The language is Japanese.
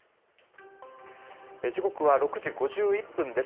時刻は６時５１分です。